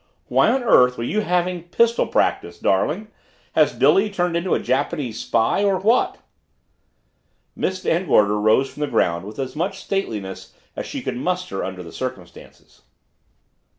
Why on earth were you having pistol practice, darling has Billy turned into a Japanese spy or what?" Miss Van Gorder rose from the ground with as much stateliness as she could muster under the circumstances.